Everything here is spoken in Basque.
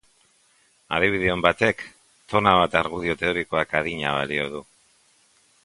Adibide on batek tona bat argudio teorikok adina balio du.